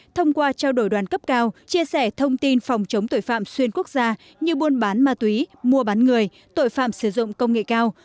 thông qua trao đổi đoàn cấp cao chia sẻ thông tin phòng chống tội phạm xuyên quốc gia như buôn bán ma túy mua bán người tội phạm sử dụng công nghệ cao